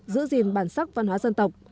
giữ gìn bản sắc văn hóa dân tộc